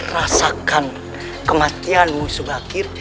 rasakan kematianmu subakir